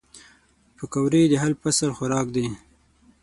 پکورې د هر فصل خوراک دي